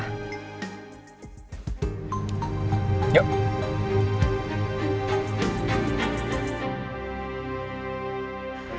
tapi dalam rangka apa